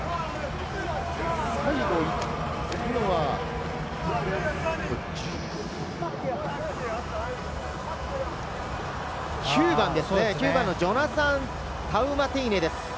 最後行ったのは９番ですね、ジョナサン・タウマテイネです。